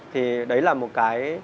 thì đấy là một cái